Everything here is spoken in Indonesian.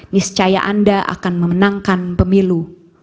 niscaya anda akan memenangkan pemilu